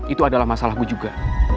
itu adalah masalah gue juga